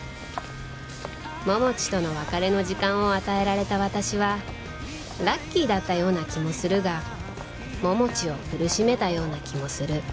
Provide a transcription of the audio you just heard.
桃地との別れの時間を与えられた私はラッキーだったような気もするが桃地を苦しめたような気もする